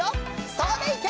それいけ！